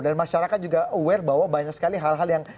dan masyarakat juga aware bahwa banyak sekali hal hal yang